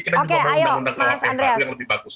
kita juga mau undang undang ke rkuhp yang lebih bagus